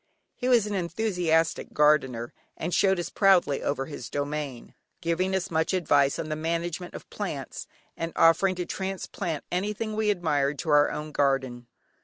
He was an enthusiastic gardener and showed us proudly over his domain, giving us much advice on the management of plants, and offering to transplant anything we admired to our own garden.